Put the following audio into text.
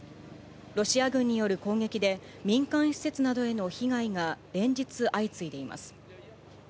ロシア軍による攻撃で、民間施設などへの被害が連日、相次いでいます。